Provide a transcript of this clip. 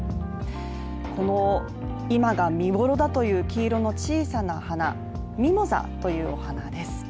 この今が見頃だという黄色の小さな花ミモザというお花です。